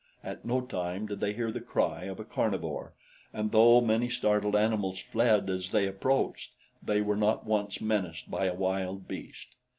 At no time did they hear the cry of a carnivore, and though many startled animals fled as they approached, they were not once menaced by a wild beast.